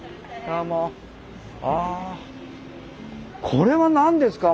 これは何ですか？